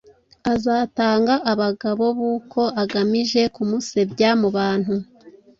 azatanga abagabo b’uko agamije kumusebya mu bantu